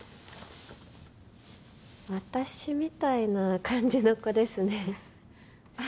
私みたいな感じの子ですね。